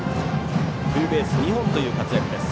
ツーベース２本という活躍です。